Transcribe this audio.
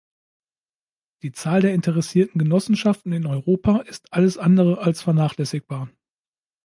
Die Zahl der interessierten Genossenschaften in Europa ist alles andere als vernachlässigbar.